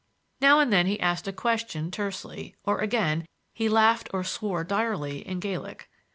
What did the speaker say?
Now and then he asked a question tersely, or, again, he laughed or swore direly in Gaelic.